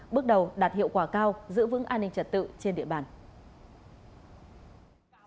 bước đầu đạt hiệu quả cao giữ vững an ninh trật tự trên địa bàn